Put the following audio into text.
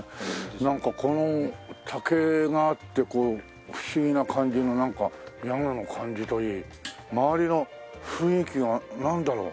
なんかこの竹があってこう不思議な感じの屋根の感じといい周りの雰囲気がなんだろう？